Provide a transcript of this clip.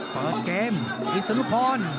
เปิดเกมอิสนุพร